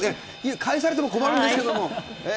返されても困るんですけども。